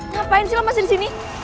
ngapain sih lu masih disini